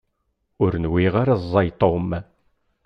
Ur nwiɣ ara ẓẓay Tom.